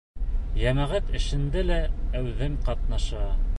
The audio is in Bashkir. Йәмәғәт эшендә лә әүҙем ҡатнаша.